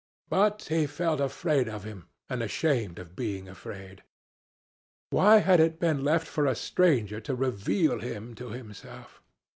But he felt afraid of him, and ashamed of being afraid. Why had it been left for a stranger to reveal him to himself?